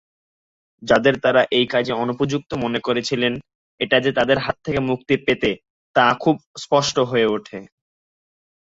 যাঁদের তারা এই কাজে অনুপযুক্ত মনে করেছিলেন, এটা যে তাদের হাত থেকে মুক্তি পেতে, তা খুব স্পষ্ট হয়ে ওঠে।